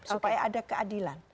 supaya ada keadilan